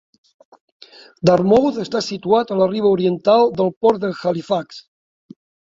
Dartmouth està situat a la riba oriental del port de Halifax.